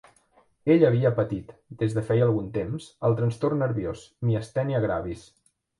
Ell havia patit, des de feia algun temps, el trastorn nerviós, miastènia gravis.